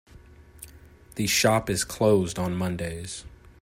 The shop is closed on Mondays.